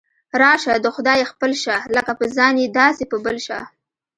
راشه د خدای خپل شه، لکه په ځان یې داسې په بل شه.